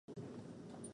一緒に歌おうよ